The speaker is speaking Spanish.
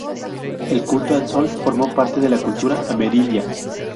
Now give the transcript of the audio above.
El culto al sol formó parte de la cultura amerindia.